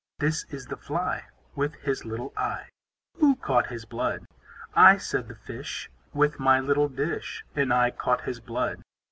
This is the Fly, With his little eye. Who caught his blood? I, said the Fish, With my little dish, And I caught his blood.